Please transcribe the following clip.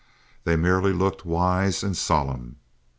They merely looked wise and solemn.